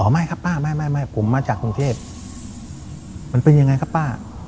ไม่ครับป้าไม่ผมมาจากกรุงเทพมันเป็นยังไงครับป้า